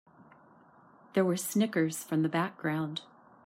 There were snickers from the background.